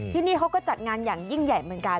ที่นี่เขาก็จัดงานอย่างยิ่งใหญ่เหมือนกัน